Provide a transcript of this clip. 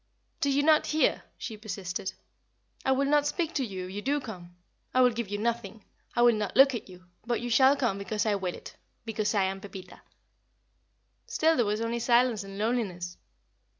"Do you not hear?" she persisted. "I will not speak to you if you do come; I will give you nothing; I will not look at you; but you shall come because I will it because I am Pepita." Still there was only silence and loneliness.